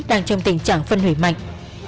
đang trong tình trạng phân hủy mạnh